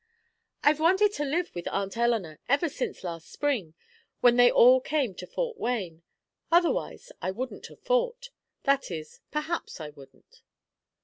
"I've wanted to live with Aunt Eleanor ever since last Spring, when they all came to Fort Wayne. Otherwise, I wouldn't have fought. That is, perhaps I wouldn't."